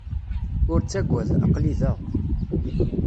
Ur ttagad. Aql-i da.